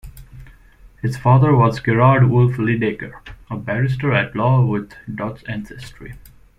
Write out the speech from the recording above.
His father was Gerard Wolfe Lydekker, a barrister-at-law with Dutch ancestry.